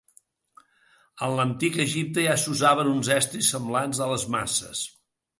En l'Antic Egipte ja s'usaven uns estris semblants a les maces.